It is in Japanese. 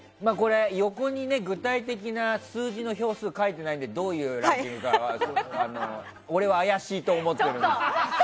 横に、具体的な数字の票数が書いてないのでどういうランキングかは俺は怪しいと思ってる。